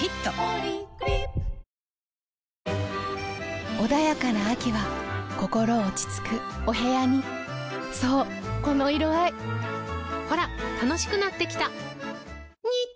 ポリグリップ穏やかな秋は心落ち着くお部屋にそうこの色合いほら楽しくなってきた！